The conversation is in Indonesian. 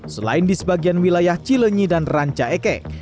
selain di sebagian wilayah cilenyi dan rancaikek